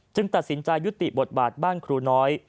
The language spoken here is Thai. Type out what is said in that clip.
ตัดสินใจยุติบทบาทบ้านครูน้อย